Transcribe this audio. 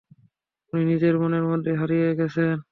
উনি নিজের মনের মধ্যেই হারিয়ে গেছেন।